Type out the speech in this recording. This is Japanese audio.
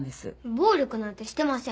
暴力なんてしてません。